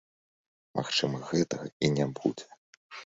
Магчыма, гэтага і не будзе.